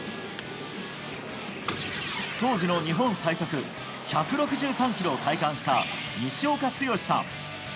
当時の日本最速１６３キロを体感した西岡剛さん。